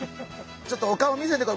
ちょっとお顔見せて。